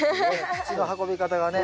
土の運び方がね。